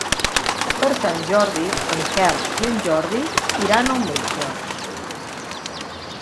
Per Sant Jordi en Quel i en Jordi iran al metge.